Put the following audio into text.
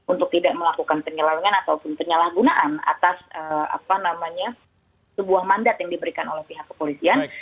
untuk tidak melakukan penyelewengan ataupun penyalahgunaan atas sebuah mandat yang diberikan oleh pihak kepolisian